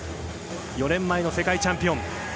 ４年前の世界チャンピオン。